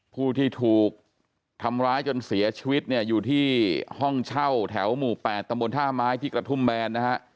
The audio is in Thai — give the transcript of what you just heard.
ผู้ที่ถูกทำร้ายจนเสียชีวิตเนี่ยอยู่ที่ห้องเช่าแถวหมู่๘ตำบลท่าไม้ที่กระทุ่มแบนนะฮะ